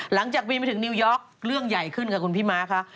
หลังจากบินไปถึงนิวยอร์กเรื่องใหญ่ขึ้นค่ะคุณพี่ม้าค่ะ